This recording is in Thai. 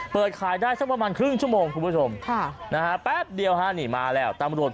เปิดขายได้สักประมาณครึ่งชั่วโมงคุณผู้ชมค่ะนะฮะแป๊บเดียวฮะนี่มาแล้วตำรวจ